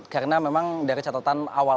karena memang dari catatan awal